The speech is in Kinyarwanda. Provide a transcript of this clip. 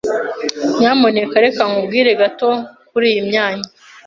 Nyamuneka reka nkubwire gato kuriyi myanya.